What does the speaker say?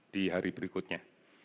di hari berikutnya